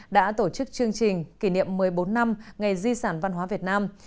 đã tổ chức chương trình kỷ niệm một mươi bốn năm ngày di sản văn hóa việt nam